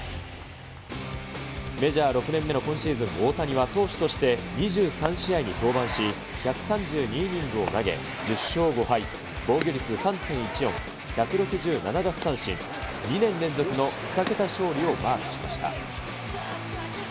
メジャー６年目の今シーズン、大谷は投手として２３試合に登板し、１３２イニングを投げ、１０勝５敗、防御率３．１４、１６７奪三振、２年連続の２桁勝利をマークしました。